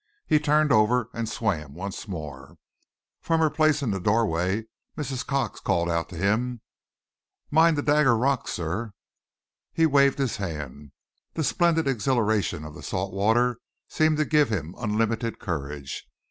He turned over and swam once more. From her place in the doorway Mrs. Cox called out to him. "Mind the Dagger Rocks, sir!" He waved his hand. The splendid exhilaration of the salt water seemed to give him unlimited courage.